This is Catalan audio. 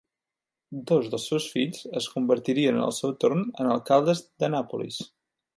Dos dels seus fills es convertirien al seu torn en alcaldes d'Annapolis.